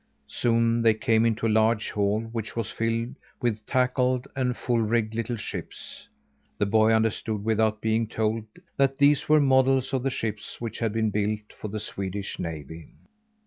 Soon they came into a large hall, which was filled with tackled and full rigged little ships. The boy understood without being told, that these were models for the ships which had been built for the Swedish navy.